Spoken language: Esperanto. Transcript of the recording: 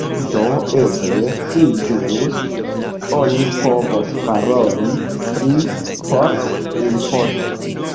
Do eble pli ĝuste oni povos paroli pri pork-imposto.